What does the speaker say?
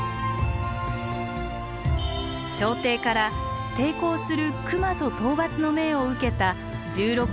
朝廷から抵抗する熊襲討伐の命を受けた１６歳のヤマトオグナ。